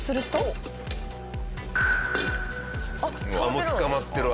もう捕まってるわ。